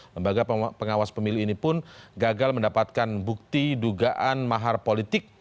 lembaga pengawas pemilu ini pun gagal mendapatkan bukti dugaan mahar politik